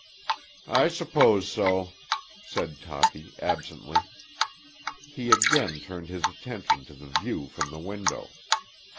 "I suppose so," said Toppy absently. He again turned his attention to the view from the window.